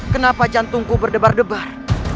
kenapa jantungku berdebar debar